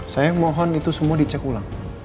saya mohon itu semua dicek ulang